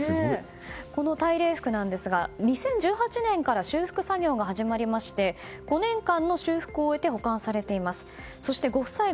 この大礼服なんですが２０１８年から修復作業が始まりまして５年間の修復を終えて保管されています。